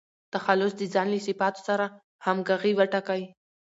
تخلص د ځان له صفاتو سره همږغي وټاکئ.